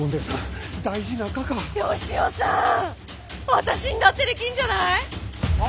私んだってできんじゃない？は？